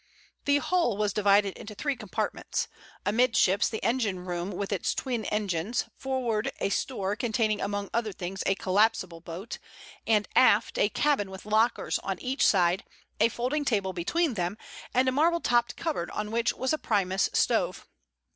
The hull was divided into three compartments; amidships the engine room with its twin engines, forward a store containing among other things a collapsible boat, and aft a cabin with lockers on each side, a folding table between them, and a marble topped cupboard on which was a Primus stove.